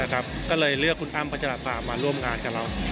ก็เลยเลือกคุณอ้ำพัชราภามาร่วมงานกับเรา